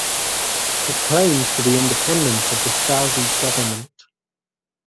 It claims to be independent of the Saudi government.